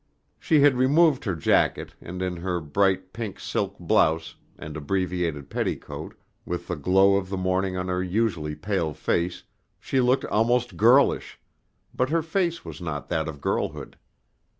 She had removed her jacket, and in her bright pink silk blouse and abbreviated petticoat, with the glow of the morning on her usually pale face, she looked almost girlish; but her face was not that of girlhood.